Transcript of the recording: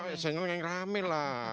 ya senyung yang rame lah